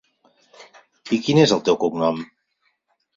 I quin és el teu cognom?